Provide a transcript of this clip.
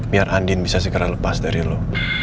biar andin bisa segera lepas dari lo